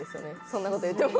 そんなこと言っても。